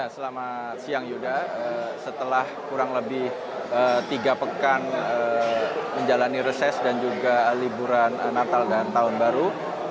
selamat siang yuda setelah kurang lebih tiga pekan menjalani reses dan juga liburan natal dan tahun baru